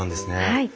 はい。